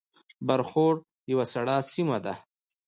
برښور یوه سړه سیمه ده